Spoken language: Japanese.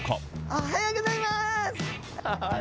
おはようございます。